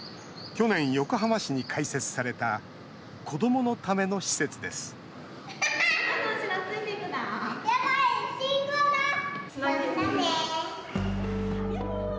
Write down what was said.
去年、横浜市に開設された子どものための施設ですやばい、信号だ！